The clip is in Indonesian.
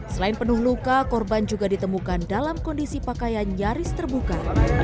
selain penuh luka korban juga ditemukan dalam kondisi pakaian nyaris terbuka